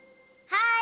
はい。